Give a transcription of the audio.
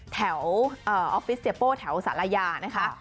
แถวออฟฟิศเสียโป้แถวสารยานะคะ